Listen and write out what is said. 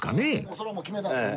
それはもう決めたんですね